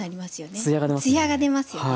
艶が出ますよね。